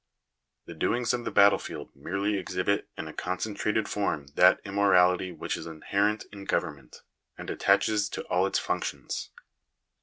The doings of the battle field merely exhibit in a concentrated form that immorality which is inherent in government, and attaches to all its functions.